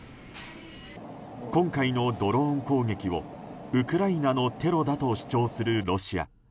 今回のドローン攻撃をウクライナのテロだと主張するロシア。